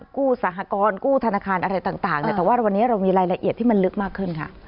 กู้สหกรณ์กู้ธนาคารอะไรต่างแต่ว่าวันนี้เรามีรายละเอียดที่มันลึกมากขึ้นค่ะ